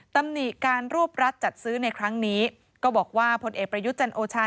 ตำหนิการรวบรัฐจัดซื้อในครั้งนี้ก็บอกว่าพลเอกประยุทธ์จันโอชา